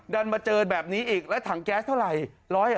ดันมาเจอแบบนี้อีกแล้วถังแก๊สเท่าไหร่